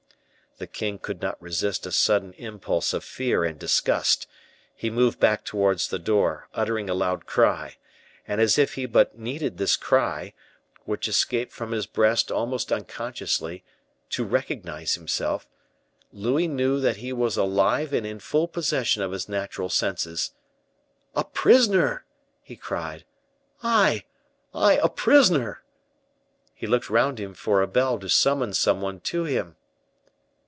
The king could not resist a sudden impulse of fear and disgust: he moved back towards the door, uttering a loud cry; and as if he but needed this cry, which escaped from his breast almost unconsciously, to recognize himself, Louis knew that he was alive and in full possession of his natural senses. "A prisoner!" he cried. "I I, a prisoner!" He looked round him for a bell to summon some one to him.